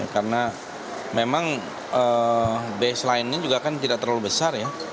karena memang baseline nya juga kan tidak terlalu besar ya